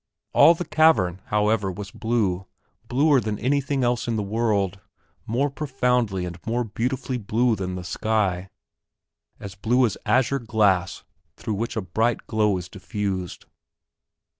All the cavern, however, was blue, bluer than anything else in the world, more profoundly and more beautifully blue than the sky, as blue as azure glass through which a bright glow is diffused.